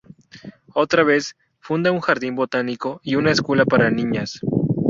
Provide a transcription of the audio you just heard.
Otra vez, funda un jardín botánico y una Escuela para niñas.